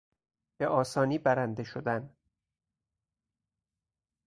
به آسانی برنده شدن